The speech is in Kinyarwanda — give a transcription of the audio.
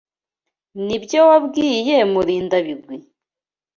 Nibyo wabwiye Murindabigwi?